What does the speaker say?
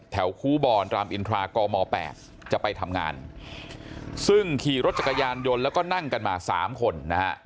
ครูบอลรามอินทรากม๘จะไปทำงานซึ่งขี่รถจักรยานยนต์แล้วก็นั่งกันมา๓คนนะฮะ